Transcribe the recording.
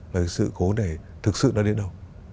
về sự cố để thực sự nó đến đâu